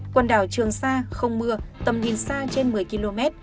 quần đảo trường sa không mưa tầm nhìn xa trên một mươi km